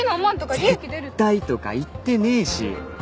絶対とか言ってねえし。